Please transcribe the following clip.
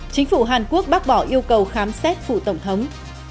chính phủ hàn quốc bác bỏ yêu cầu khám xét phủ tổng thống